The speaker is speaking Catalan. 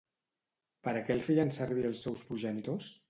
Per a què el feien servir els seus progenitors?